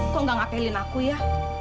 kok gak ngakelin aku ya